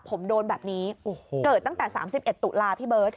ผมโดนแบบนี้เกิดตั้งแต่๓๑ตุลาพี่เบิร์ต